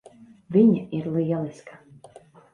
Viņa ir lieliska.